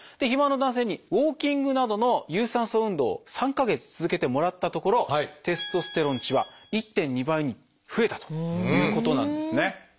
肥満の男性にウォーキングなどの有酸素運動を３か月続けてもらったところテストステロン値は１．２倍に増えたということなんですね。